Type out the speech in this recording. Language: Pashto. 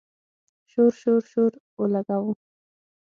شور، شور، شور اولګوو